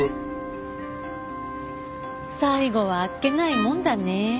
最後はあっけないもんだね。